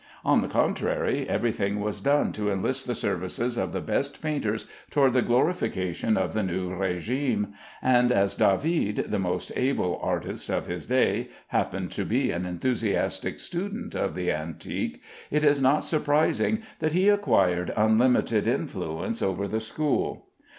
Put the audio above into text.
On the contrary, every thing was done to enlist the services of the best painters toward the glorification of the new régime; and as David, the most able artist of his day, happened to be an enthusiastic student of the antique, it is not surprising that he acquired unlimited influence over the school.